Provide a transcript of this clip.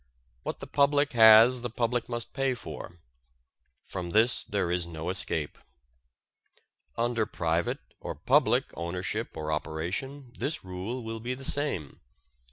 What the public has the public must pay for. From this there is no escape. Under private, or public, ownership or operation this rule will be the same.